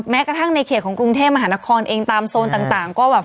แม้กระทั่งในเขตของกรุงเทพมหานครเองตามโซนต่างก็แบบ